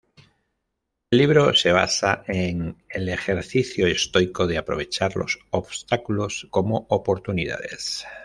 El libro se basa en el ejercicio estoico de aprovechar los obstáculos como oportunidades.